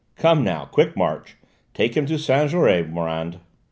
Come now, quick march! Take him to Saint Jaury, Morand!"